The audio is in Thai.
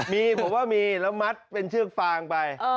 มีผมว่ามีแล้วมัดเป็นเชือกฟางไป